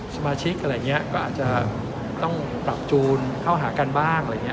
สมาชิกอะไรอย่างนี้ก็อาจจะต้องปรับจูนเข้าหากันบ้างอะไรอย่างนี้